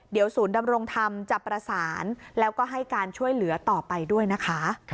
เดี๋ยวศูนย์ดำรงธรรมจะประสานแล้วก็ให้การช่วยเหลือต่อไปด้วยนะคะ